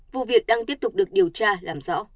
vụ việc đang tiếp tục được điều tra làm rõ